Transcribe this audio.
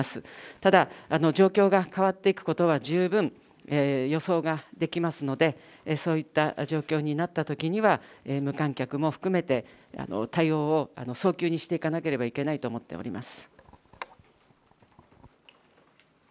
ただ、状況が変わっていくことは十分予想ができますので、そういった状況になったときには、無観客も含めて、対応を早急にしていかなければいけないと思っております。